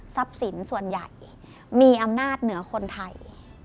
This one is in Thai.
ทรัพย์ศิลป์ส่วนใหญ่มีอำนาจเหนือคนไทย